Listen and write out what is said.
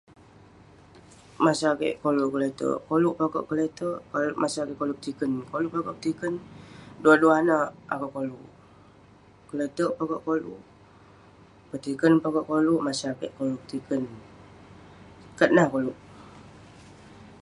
Masa kik koluk kle'terk, koluk peh akouk kle'terk..masa kik koluk petikern, akouk peh akouk petikern..Duwah duwah ineh akouk koluk..kle'terk peh akouk koluk, petikern peh akouk koluk..masa kik koluk petikern..kat nah koluk..